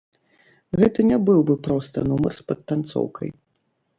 Гэта не быў бы проста нумар з падтанцоўкай.